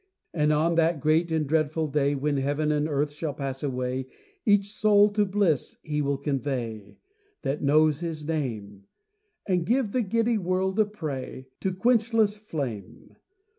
And on that great and dreadful day When heaven and earth shall pass away, Each soul to bliss He will convey, That knows His name; And give the giddy world a prey To quenchless flame.